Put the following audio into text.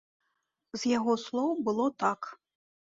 З яго слоў было так.